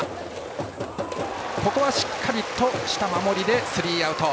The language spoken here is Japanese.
しっかりとした守りでスリーアウト。